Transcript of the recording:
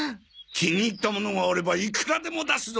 気に入ったものがあればいくらでも出すぞ。